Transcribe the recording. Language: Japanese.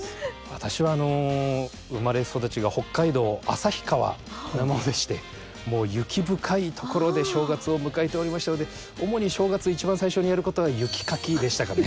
私は生まれ育ちが北海道・旭川なものでしてもう雪深い所で正月を迎えておりましたので主に正月一番最初にやることが雪かきでしたからね。